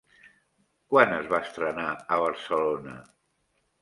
Quan es va estrenar a Barcelona?